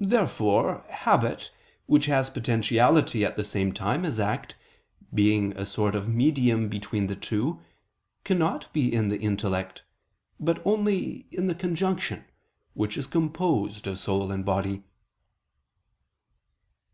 Therefore habit, which has potentiality at the same time as act, being a sort of medium between the two, cannot be in the intellect; but only in the conjunction, which is composed of soul and body.